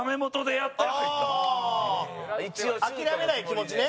山崎：諦めない気持ちね。